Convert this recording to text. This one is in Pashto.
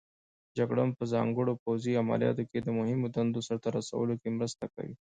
جګړن په ځانګړو پوځي عملیاتو کې د مهمو دندو سرته رسولو کې مرسته کوي.